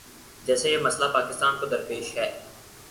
جیسے یہ مسئلہ پاکستان کو درپیش ہے۔